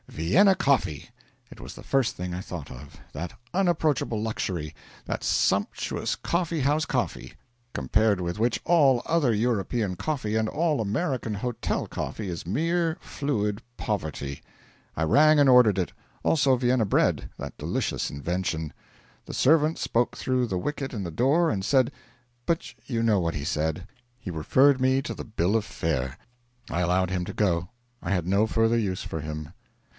Vienna coffee! It was the first thing I thought of that unapproachable luxury that sumptuous coffee house coffee, compared with which all other European coffee and all American hotel coffee is mere fluid poverty. I rang, and ordered it; also Vienna bread, that delicious invention. The servant spoke through the wicket in the door and said but you know what he said. He referred me to the bill of fare. I allowed him to go I had no further use for him.